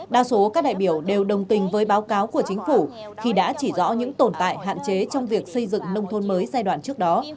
đa số các đại biểu đều đồng tình với báo cáo của chính phủ khi đã chỉ rõ những tồn tại hạn chế trong việc xây dựng nông thôn mới giai đoạn trước đó